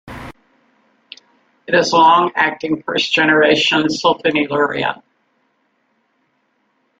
It is a long-acting first-generation sulfonylurea.